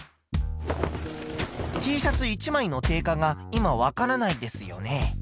Ｔシャツ１枚の定価が今わからないんですよね。